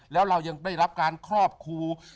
แล้วเรายังได้รับการครอบครู